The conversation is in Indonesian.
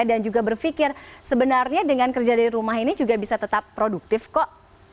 dan juga berpikir sebenarnya dengan kerja dari rumah ini juga bisa tetap produktif kok